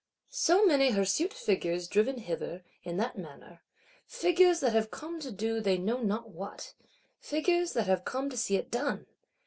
So many hirsute figures driven hither, in that manner: figures that have come to do they know not what; figures that have come to see it done!